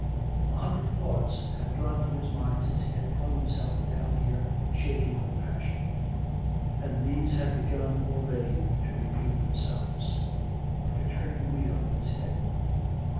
A hundred thoughts had gone through his mind since he had flung himself down here shaking with passion; and these had begun already to repeat themselves, like a turn ing wheel, in his head.